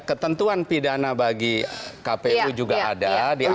ketentuan pidana bagi kpu juga ada